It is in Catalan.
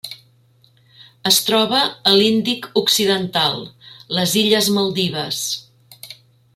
Es troba a l'Índic occidental: les illes Maldives.